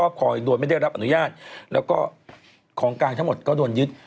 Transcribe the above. ไปทำอาชีพอื่นก็ได้นะ๒๕๐๐๐บาท